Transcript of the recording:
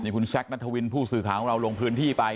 คุณแซคนัทวินผู้สื่อข่าวของเราลงพื้นที่ไป